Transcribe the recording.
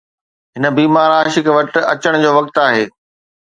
هن بيمار عاشق وٽ اچڻ جو وقت آهي